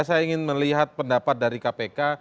saya ingin melihat pendapat dari kpk